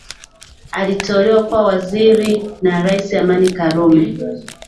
Aliteuliwa kuwa waziri na rais Amani Karume